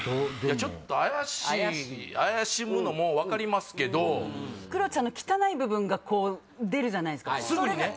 ちょっと怪しい怪しむのも分かりますけどクロちゃんの汚い部分が出るじゃないですかすぐにね